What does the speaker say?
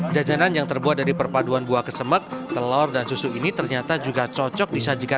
jajanan pai buah kesembek